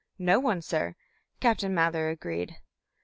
"No one, sir," Captain Mather agreed.